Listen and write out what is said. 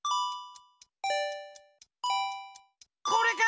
これか？